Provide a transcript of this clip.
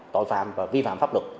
tội phạm và vi phạm pháp lực